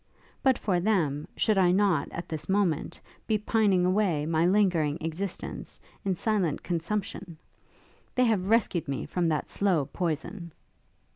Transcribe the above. But for them should I not, at this moment, be pining away my lingering existence, in silent consumption? They have rescued me from that slow poison!'